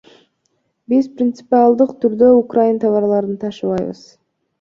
Биз принципиалдык түрдө украин товарларын ташыбайбыз.